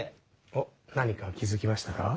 おっ何か気付きましたか？